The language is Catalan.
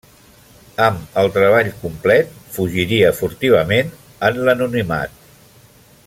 Amb el treball complet, fugiria furtivament en l'anonimat.